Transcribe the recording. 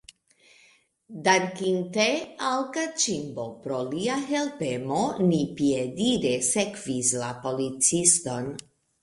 Dankinte al Kaĉimbo pro lia helpemo, ni piedire sekvis la policiston.